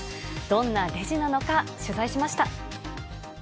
どんなレジなのか、取材しました。